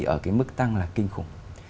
ở cái mức tăng là kinh khủng